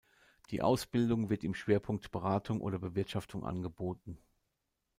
Die Ausbildung wird im Schwerpunkt "Beratung" oder "Bewirtschaftung" angeboten.